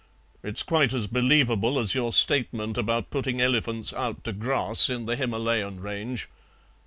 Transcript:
It's quite as believable as your statement about putting elephants out to grass in the Himalayan range."